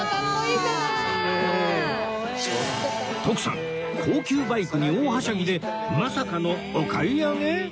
徳さん高級バイクに大はしゃぎでまさかのお買い上げ！？